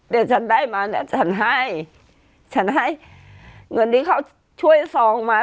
เดี๋ยวฉันได้มาเดี๋ยวฉันให้ฉันให้เงินที่เขาช่วยซองมา